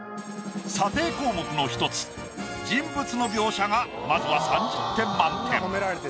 査定項目の１つ人物の描写がまずは３０点満点。